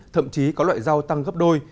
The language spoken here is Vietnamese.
thậm chí có loại rau tăng gấp đôi